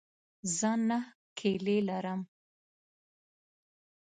زه نهه کیلې لرم.